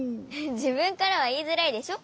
じぶんからはいいづらいでしょ？